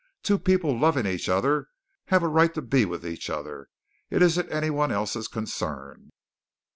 Two people loving each other have a right to be with each other. It isn't anyone else's concern."